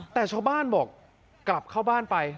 แต่ชาวบ้านบอกกลับเข้าบ้านไป